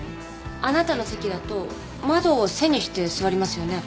あなたの席だと窓を背にして座りますよね。